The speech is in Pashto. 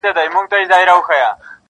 ما خو داسي نه ویل چي خان به نه سې,